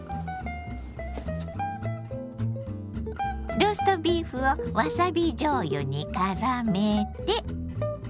ローストビーフをわさびじょうゆにからめて。